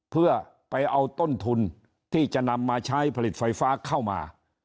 เพื่อไปเอาต้นทุนที่จะนำมาใช้ผลิตไฟฟ้าเข้ามา